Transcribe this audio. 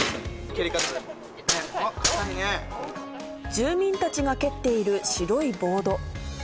住民たちが蹴っている白いボード。